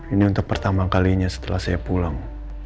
ini untuk pertama kalinya setelah saya pulang